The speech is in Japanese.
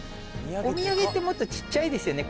お土産ってもっとちっちゃいですよね